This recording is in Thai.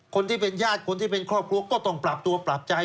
คนที่เป็นญาติคนที่เป็นครอบครัวก็ต้องปรับตัวปรับใจ